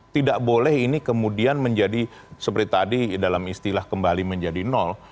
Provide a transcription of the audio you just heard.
tidak boleh ini kemudian menjadi seperti tadi dalam istilah kembali menjadi nol